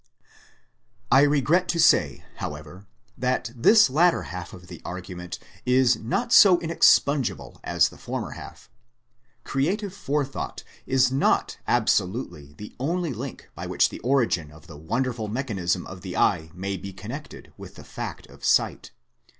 I regret to say, however, that this latter half of the argument is not so inexpugnable as the former half. Creative forethought is not absolutely the only link by which the origin of the wonderful mechanism of the eye may be connected with the fact of sight.